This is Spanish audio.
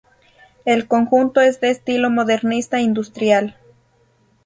El conjunto es de estilo modernista industrial.